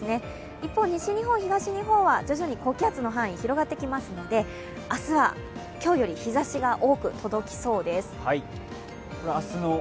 一方、西日本、東日本は徐々に高気圧の範囲が広がってきますので明日は今日より日ざしが多く届きそうです。